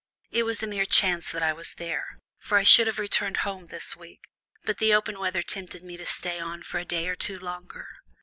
It was a mere chance that I was there, for I should have returned home this week, but the open weather tempted me to stay on for a day or two longer."